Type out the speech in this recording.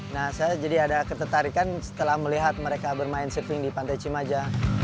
nah saya jadi ada ketertarikan setelah melihat mereka bermain surfing di pantai cimaja